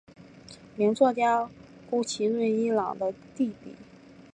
名作家谷崎润一郎的弟弟。